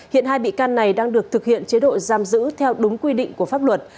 hiện hai bị can này đang được thực hiện chế độ giam giữ theo đúng quy định của pháp luật